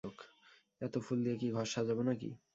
এত ফুল দিয়ে কি, ঘর সাজাবো নাকি?